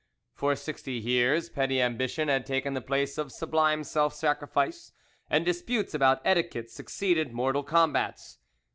For sixty years petty ambition had taken the place of sublime self sacrifice, and disputes about etiquette succeeded mortal combats.